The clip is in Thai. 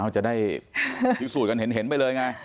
จะได้สูตรกันเห็นไปเลยไง